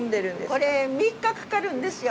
これ３日かかるんですよ。